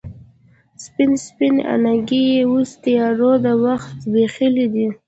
سپین، سپین اننګي یې اوس تیارو د وخت زبیښلې دي